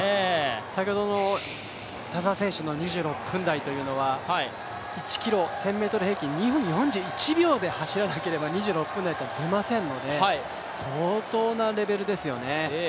先ほどの田澤選手の２６分台というのは１ｋｍ１０００ｍ平均２分４１秒で走らなければ２６分台は出ませんので、相当なレベルですよね。